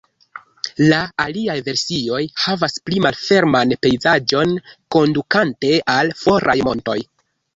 La aliaj versioj havas pli malferman pejzaĝon, kondukante al foraj montoj.